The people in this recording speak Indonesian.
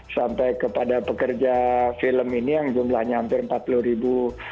sampai kepada pekerja film ini yang jumlahnya hampir empat puluh ribu